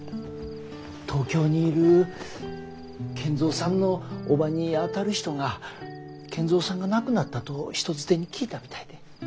東京にいる賢三さんの叔母にあたる人が賢三さんが亡くなったと人づてに聞いたみたいで。